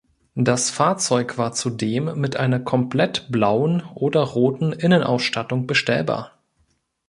Das Fahrzeug war zudem mit einer komplett blauen oder roten Innenausstattung bestellbar.